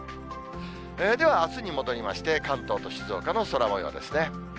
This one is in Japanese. では、あすに戻りまして、関東と静岡の空もようですね。